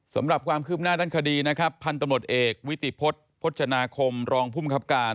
สำหรับความคืบหน้าด้านคดีนะครับพันธุ์ตำรวจเอกวิติพฤษพจนาคมรองภูมิครับการ